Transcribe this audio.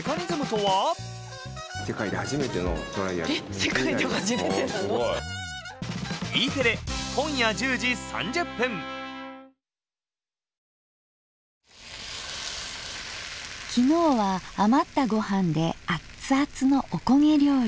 次回は昨日は余ったごはんでアッツアツのおこげ料理。